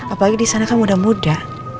apalagi disana kan muda muda